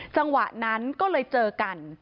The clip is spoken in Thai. จังหวะนั้นก็เลยเจอกัน